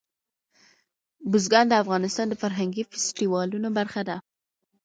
بزګان د افغانستان د فرهنګي فستیوالونو برخه ده.